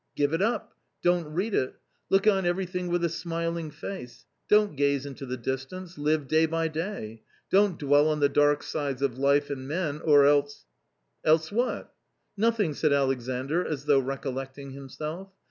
Give it up, don't read it ! look on everything with a smiling face, don't gaze into the distance, live day by day, don't dwell on the dark sides of life and men, or else "" Else what ?"" Nothing !" said Alexandr, as though recollecting him self.